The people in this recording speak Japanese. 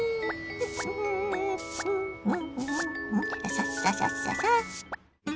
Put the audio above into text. さっささっささ。